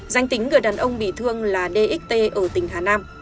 danh tính người đàn ông bị thương là dxt ở tỉnh hà nam